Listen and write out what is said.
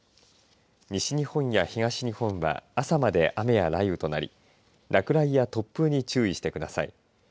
西日本や東日本は朝まで雨や雷雨となり落雷や突風に注意してください。